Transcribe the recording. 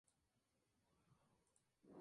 Puede vivir hasta cien años.